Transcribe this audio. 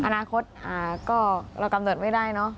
อนาคตก็เรากำเนิดไม่ได้เนอะ